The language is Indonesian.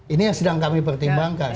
ini yang sedang kami pertimbangkan